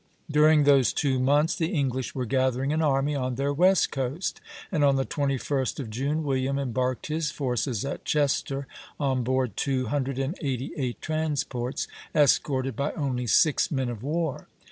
During those two months the English were gathering an army on their west coast, and on the 21st of June, William embarked his forces at Chester on board two hundred and eighty eight transports, escorted by only six men of war.